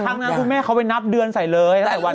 แต่ข้างหน้าคุณแม่เขาไปนับเดือนใส่ไปเลย